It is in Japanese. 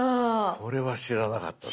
これは知らなかったぞ。